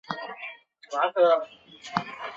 一些阿尔巴尼亚人支持行动军。